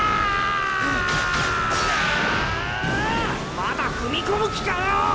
まだ踏み込む気かよ！